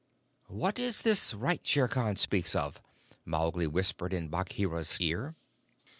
"What is this right Shere Khan speaks of?" Mowgli whispered in Bagheera's ear.